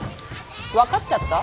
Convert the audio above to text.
分かっちゃった？